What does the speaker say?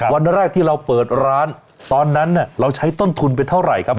วันแรกที่เราเปิดร้านตอนนั้นเนี่ยเราใช้ต้นทุนไปเท่าไหร่ครับ